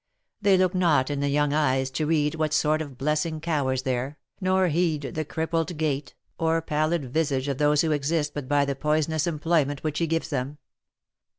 They look not in the young eyes to read what sort of blessing cowers there, nor heed the crippled gait, or pallid visage of those who exist but by the poisonous employment which he gives them.